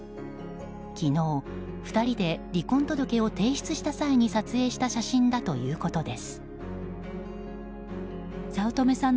昨日、２人で離婚届を提出した際に撮影した写真だということです。